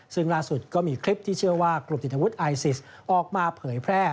ซึ่งล่าสุดก็มีคลิปที่เชื่อว่ากลุ่มติดอาวุธไอซิสออกมาเผยแพร่